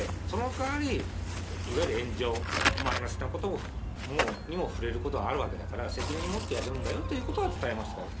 その代わり、いわゆる炎上、マイナスなことにも触れることはあるわけだから、責任持ってやるんだよということは伝えました。